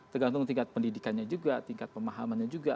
tergantung tingkat pendidikannya juga tingkat pemahamannya juga